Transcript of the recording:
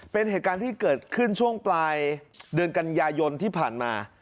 เป็นเหตุการณ์ที่เกิดขึ้นช่วงปลายเดือนกันยายนที่ผ่านมา